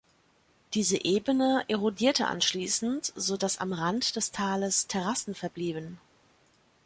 Diese Ebene erodierte anschließend, so dass am Rand des Tales Terrassen verblieben.